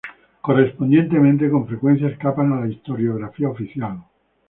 Correspondientemente, con frecuencia escapan a la historiografía oficial.